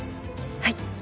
はい。